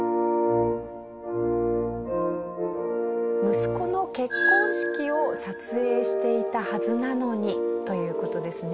息子の結婚式を撮影していたはずなのにという事ですね。